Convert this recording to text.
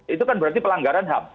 itu kan berarti pelanggaran ham